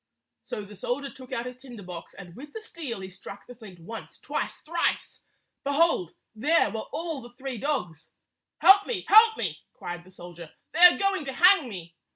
So the soldier took out his tinder box, and with the steel he struck the flint once, twice, thrice. Behold, there were all the three dogs ! "Help me! Help me!" cried the soldier. "They are going to hang me!"